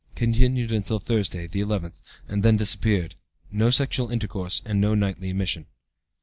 (Continued until Tuesday, the 11th, and then disappeared. No sexual intercourse, and no nightly emission.)